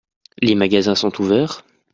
Les magasins sont ouverts ?